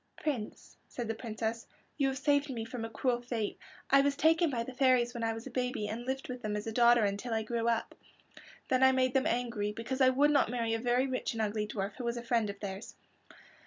"Prince," said the Princess, "you have saved me from a cruel fate. I was taken by the fairies when I was a baby and lived with them as a daughter until I grew up. Then I made them angry because I would not marry a very rich and ugly dwarf who was a friend of theirs.